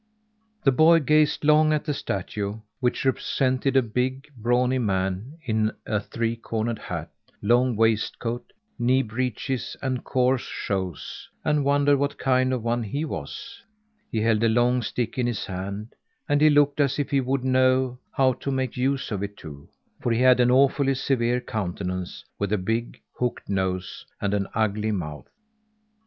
The boy gazed long at the statue, which represented a big, brawny man in a three cornered hat, long waistcoat, knee breeches and coarse shoes, and wondered what kind of a one he was. He held a long stick in his hand, and he looked as if he would know how to make use of it, too for he had an awfully severe countenance, with a big, hooked nose and an ugly mouth.